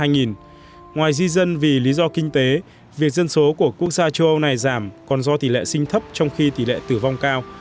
ngoài di dân vì lý do kinh tế việc dân số của quốc gia châu âu này giảm còn do tỷ lệ sinh thấp trong khi tỷ lệ tử vong cao